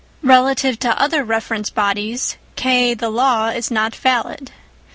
Relative to other reference bodies K the law is not valid.